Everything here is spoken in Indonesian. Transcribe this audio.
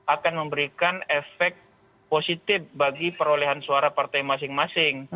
akan memberikan efek positif bagi perolehan suara partai masing masing